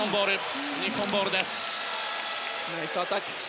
日本ボールです。